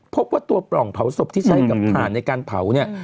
พบว่าตัวปล่องเผาศพที่ใช้กับถ่านในการเผาเนี่ย